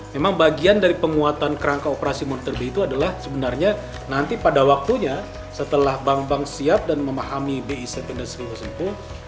memang bagian dari penguatan kerangka operasi moneter b itu adalah sebenarnya nanti pada waktunya setelah bank bank siap dan memahami bi tujuh belas